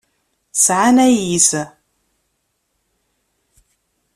Sɛan ayis.